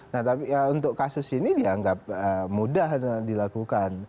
nah tapi untuk kasus ini dianggap mudah dilakukan